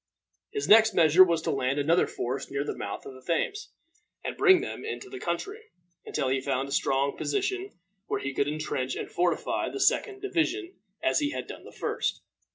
His next measure was to land another force near the mouth of the Thames, and bring them into the country, until he found a strong position where he could intrench and fortify the second division as he had done the first.